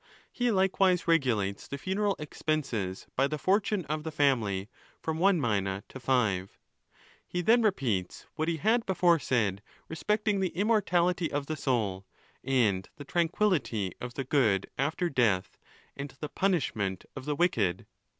He likewise regulates the funeral expenses by the fortune of the family, from one mina to five. He then repeats what he had before said respecting the immortality of the soul, and the tran quillity of the good after death, and the punishment of the wicked.